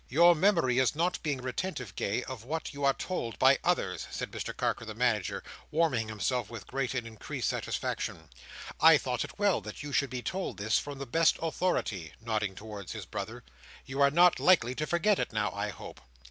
"Your memory not being retentive, Gay, of what you are told by others," said Mr Carker the Manager, warming himself with great and increased satisfaction, "I thought it well that you should be told this from the best authority," nodding towards his brother. "You are not likely to forget it now, I hope.